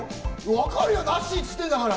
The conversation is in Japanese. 分かるよ、「なっしー！」って言ってんだから！